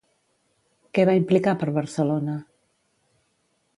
Què va implicar per Barcelona?